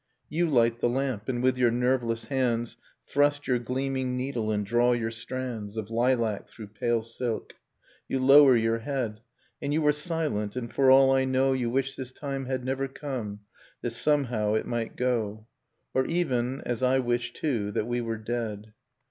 i You light the lamp, and with your nerveless hands i Thrust your gleaming needle and draw your strands i Of lilac through pale silk ... You lower your head, j And you are silent, and for all I know You wish this time had never come, that somehow it i might go, \ Or even — as I wish too — that we were dead.